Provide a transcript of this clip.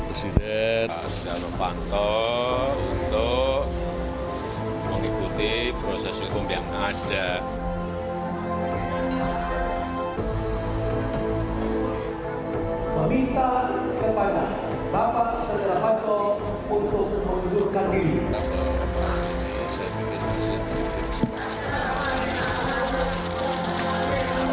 meminta kepada bapak setelah bato untuk memudurkan diri